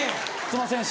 すいません。